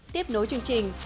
tiếp nối chương trình